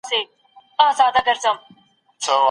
دوی د مرکچيانو په خبرو ژور فکر وکړ.